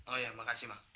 oh ya terima kasih mak